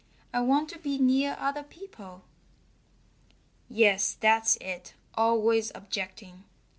I want to be near other people." "Yes, that's it always objecting!"